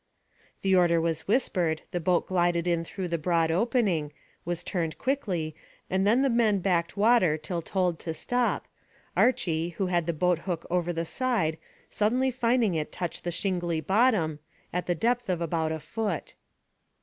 The order was whispered, the boat glided in through the broad opening, was turned quickly, and then the men backed water till told to stop, Archy, who had the boat hook over the side, suddenly finding it touch the shingly bottom at the depth of about a foot.